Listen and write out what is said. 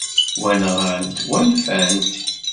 Wa, nɣan-t, wa nfant-t.